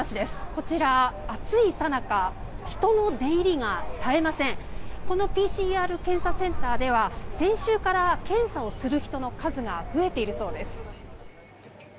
このＰＣＲ検査センターでは先週から検査をする人の数が増えているそうです。